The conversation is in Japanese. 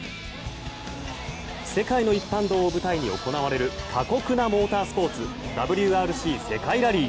世界の一般道を舞台に行われる過酷なモータースポーツＷＲＣ世界ラリー。